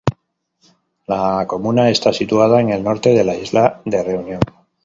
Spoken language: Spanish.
La comuna está situada en el norte de la isla de Reunión.